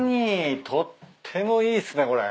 とってもいいっすねこれ。